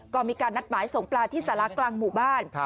ก็มีการนัดหมายส่งปลาที่สารากลางหมู่บ้าน